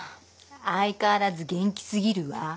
相変わらず元気過ぎるわ。